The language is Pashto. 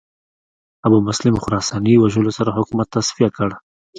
ابومسلم خراساني وژلو سره حکومت تصفیه کړ